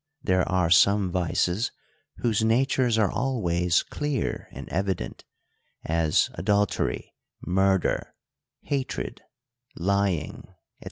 There are some vices, whose natures are always clear and evi dent ; as adultery, murder, hatred, lying, &c.